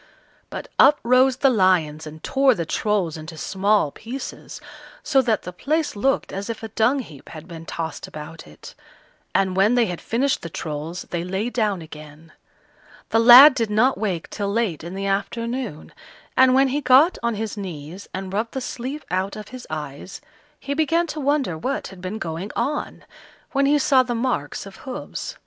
But up rose the lions and tore the Trolls into small pieces, so that the place looked as if a dung heap had been tossed about it; and when they had finished the Trolls they lay down again. The lad did not wake till late in the afternoon, and when he got on his knees and rubbed the sleep out of his eyes, he began to wonder what had been going on, when he saw the marks of hoofs.